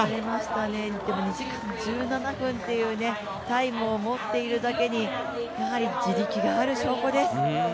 でも２時間１７分というタイムを持っているだけにやはり地力がある証拠です。